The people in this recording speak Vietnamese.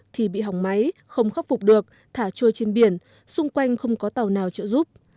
thì bị hỏng máy không khắc phục được thả trôi trên biển xung quanh không có tàu nào trợ giúp